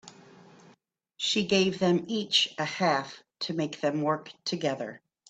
She gave them each a half to make them work together.